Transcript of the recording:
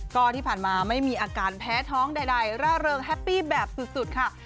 ก็ที่ผ่านมาไม่มีอาการแพ้ท้องใดร่าเริงแฮปปี้แบบสุดค่ะ